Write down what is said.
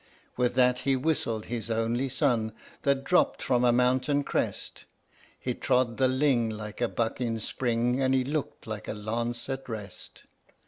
With that he whistled his only son, that dropped from a mountain crest He trod the ling like a buck in spring, and he looked like a lance in rest.